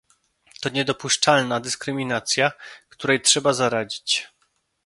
To niedopuszczalna dyskryminacja, której trzeba zaradzić